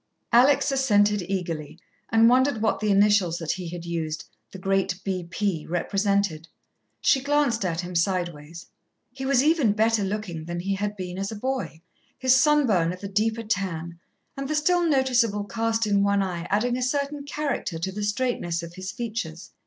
Alex assented eagerly, and wondered what the initials that he had used "the great B.P." represented. She glanced at him sideways. He was even better looking than he had been as a boy, his sunburn of a deeper tan, and the still noticeable cast in one eye adding a certain character to the straightness of his features.